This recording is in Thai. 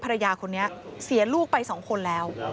ภรรยาคนนี้เสียลูกไป๒คนแล้ว